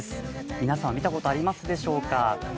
皆さん、見たことありますでしょうか。